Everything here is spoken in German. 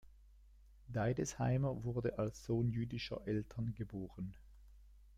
Deidesheimer wurde als Sohn jüdischer Eltern geboren.